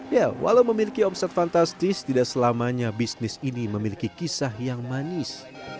ya walau memiliki omset fantastis tidak selamanya bisnis ini memiliki kisah yang manis